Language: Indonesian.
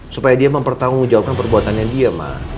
supaya dia mempertanggung jawabkan perbuatannya dia ma